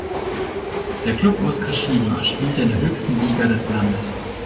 Der Klub aus Kashiwa spielte in der höchsten Liga des Landes.